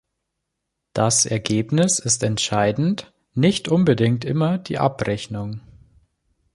Das Ergebnis ist entscheidend, nicht unbedingt immer die Abrechnung.